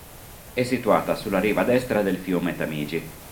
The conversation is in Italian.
È situata sulla riva destra del fiume Tamigi.